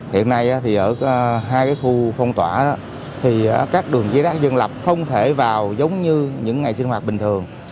hiện nay thì ở hai khu phong tỏa thì các đường dây rác dân lập không thể vào giống như những ngày sinh hoạt bình thường